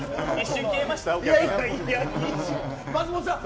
松本さん